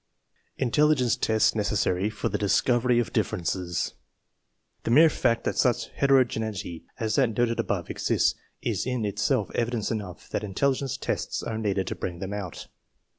INTELLIGENCE TESTS NECESSARY FOR THE DISCOVERY OF DIFFERENCES The mere fact that such heterogeneity as that noted above exists is in itself evidence enough that intelli gence tests are needed to bring them out.